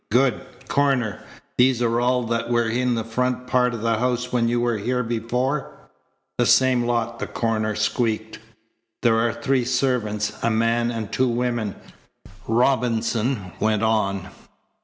Good. Coroner, these are all that were in the front part of the house when you were here before?" "The same lot," the coroner squeaked. "There are three servants, a man and two women," Robinson went on.